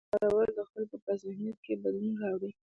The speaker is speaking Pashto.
د دې سیستم کارول د خلکو په ذهنیت کې بدلون راوړي.